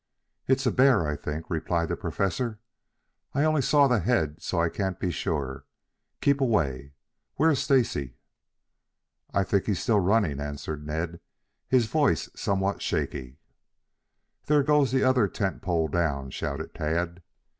"It's a bear, I think," replied the Professor. "I only saw the head so I can't be sure. Keep away. Where is Stacy?" "I I think he's running, still," answered Ned, his voice somewhat shaky. "There goes the other tent pole down!" shouted Tad.